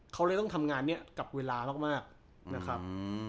เขาเลยต้องทำงานนี้กับเวลามากนะครับ